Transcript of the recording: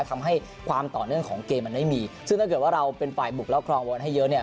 ทำให้ความต่อเนื่องของเกมมันไม่มีซึ่งถ้าเกิดว่าเราเป็นฝ่ายบุกแล้วครองบอลให้เยอะเนี่ย